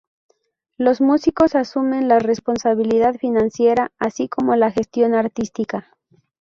Los músicos asumen la responsabilidad financiera así como la gestión artística.